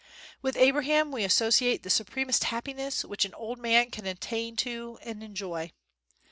With Abraham we associate the supremest happiness which an old man can attain unto and enjoy.